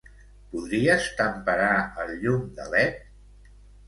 Podries temperar el llum de led?